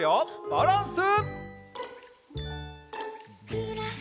バランス。